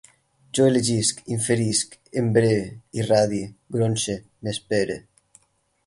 Jo elegisc, inferisc, embree, irradie, gronxe, m'espere